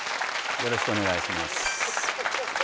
よろしくお願いします